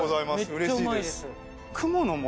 うれしいです。